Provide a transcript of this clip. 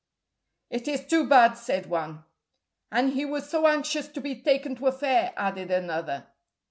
"It is too bad," said one. "And he was so anxious to be taken to a fair," added another.